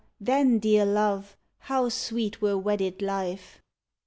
then, dear love, how sweet were wedded life.